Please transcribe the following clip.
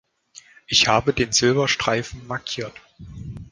Ich habe den Silberstreifen markiert.